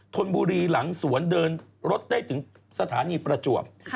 ธนบุรีหลังสวนเดินรถได้ถึงสถานีประจวบ